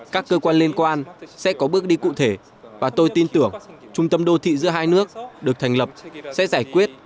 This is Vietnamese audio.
các cơ quan liên quan sẽ có bước đi cụ thể và tôi tin tưởng trung tâm đô thị giữa hai nước được thành lập sẽ giải quyết